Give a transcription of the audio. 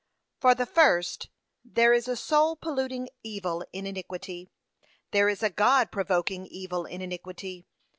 For the first, There is a soul polluting evil in iniquity. There is a God provoking evil in iniquity.